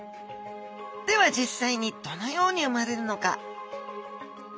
では実際にどのようにうまれるのか？